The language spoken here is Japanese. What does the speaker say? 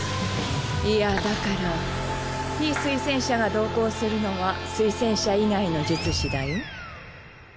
いやだから被推薦者が同行するのは推薦者以外の術師だよ。